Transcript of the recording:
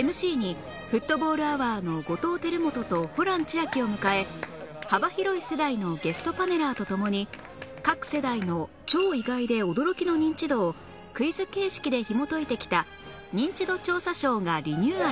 ＭＣ にフットボールアワーの後藤輝基とホラン千秋を迎え幅広い世代のゲストパネラーと共に各世代の超意外で驚きのニンチドをクイズ形式でひもといてきた『ニンチド調査ショー』がリニューアル